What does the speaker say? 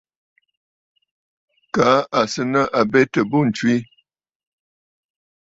Kaa à sɨ̀ nɨ̂ àbetə̀ bû ǹtswe.